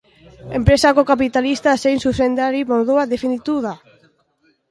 Enpresako kapitalista zein zuzendari moduan definitu da.